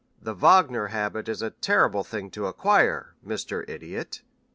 "The Wagner habit is a terrible thing to acquire, Mr. Idiot."